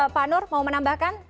pak nur mau menambahkan